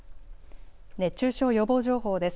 熱中症予防情報です。